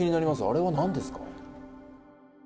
あれは何ですか？